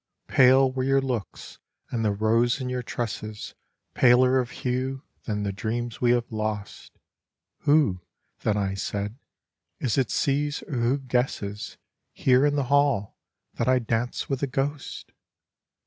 Pale were your looks; and the rose in your tresses Paler of hue than the dreams we have lost; "Who," then I said, "is it sees or who guesses, Here in the hall, that I dance with a ghost?"